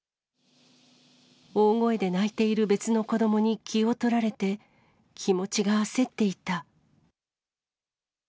大声で泣いている別の子どもに気を取られて、気持ちが焦っていた。